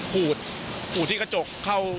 ขูดขูดที่กระจกเข้า